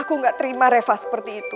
aku gak terima reva seperti itu